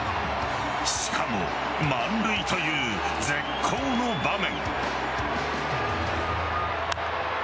しかも、満塁という絶好の場面。